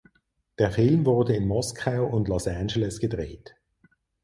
Der Film wurde in Moskau und Los Angeles gedreht.